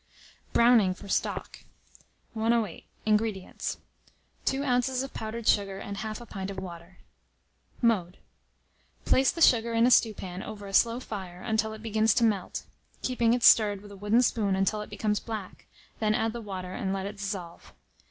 BROWNING FOR STOCK. 108. INGREDIENTS. 2 oz. of powdered sugar, and 1/2 a pint of water. Mode. Place the sugar in a stewpan over a slow fire until it begins to melt, keeping it stirred with a wooden spoon until it becomes black, then add the water, and let it dissolve.